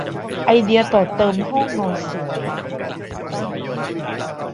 ไอเดียต่อเติมห้องนอนสวย